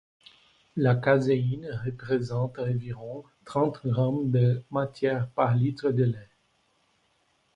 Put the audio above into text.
La caséine représente environ trente grammes de matière par litre de lait.